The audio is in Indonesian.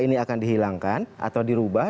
ini akan dihilangkan atau dirubah